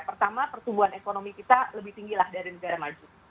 pertama pertumbuhan ekonomi kita lebih tinggi lah dari negara maju